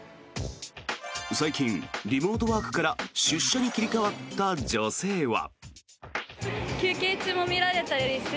最近、リモートワークから出社に切り替わった女性は。